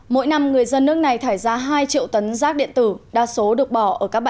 mỗi năm người dân nước này thải ra hai triệu tấn rác điện tử đa số được bỏ